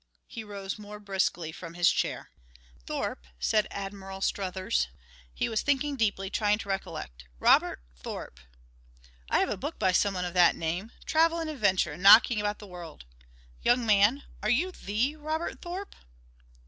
He rose more briskly from his chair. "Thorpe...." said Admiral Struthers. He was thinking deeply, trying to recollect. "Robert Thorpe.... I have a book by someone of that name travel and adventure and knocking about the world. Young man, are you the Robert Thorpe?"